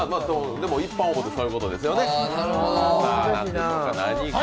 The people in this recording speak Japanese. でも一般応募ってそういうことですよね。